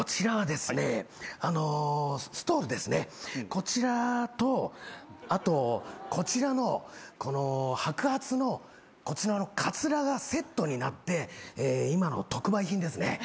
こちらとあとこちらのこの白髪のこちらのカツラがセットになって今の特売品ですね。